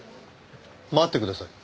待ってください。